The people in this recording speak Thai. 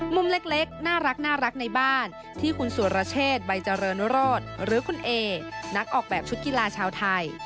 มุมเล็กน่ารักในบ้านที่คุณสุรเชษใบเจริญโรธหรือคุณเอนักออกแบบชุดกีฬาชาวไทย